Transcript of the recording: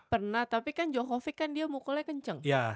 pernah tapi kan jokovic kan dia mukulnya kenceng